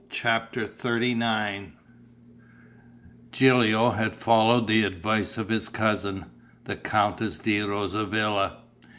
CHAPTER XXXIX Gilio had followed the advice of his cousin, the Countess di Rosavilla.